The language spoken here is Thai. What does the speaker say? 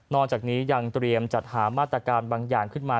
จากนี้ยังเตรียมจัดหามาตรการบางอย่างขึ้นมา